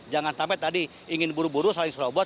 jangan sampai tadi ingin buru buru saling serobot